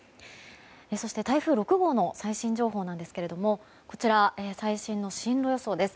そして台風６号の最新情報ですが最新の進路予想です。